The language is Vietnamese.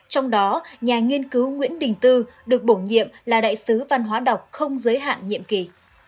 trong đó nhà nghiên cứu nguyễn đình tư được bổ nhiệm là đại sứ văn hóa đọc không giới hạn nhiệm kỳ